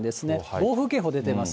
暴風警報出てます。